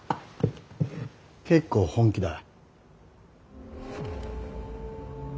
結構本気だ。